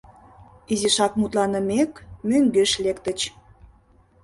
Изишак мутланымек, мӧҥгеш лектыч.